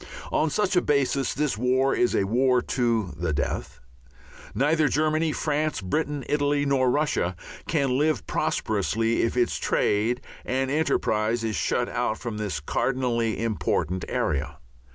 On such a basis this war is a war to the death. Neither Germany, France, Britain, Italy, nor Russia can live prosperously if its trade and enterprise is shut out from this cardinally important area.